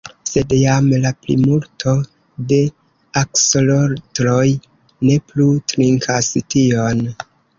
Sed jam la plimulto de aksolotloj ne plu trinkas tion.